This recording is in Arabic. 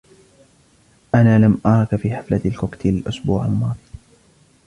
أنا لم أركَ في حفلة الكوكتيل الإسبوع الماضي.